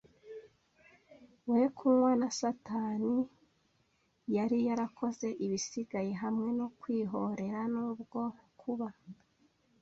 we. "Kunywa na satani yari yarakoze ibisigaye," hamwe no kwihorera, nubwo, kuba